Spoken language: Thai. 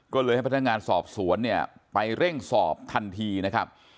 ก็เลยให้พนักงานสอบสวนเนี่ยไปเร่งสอบทันทีนะครับ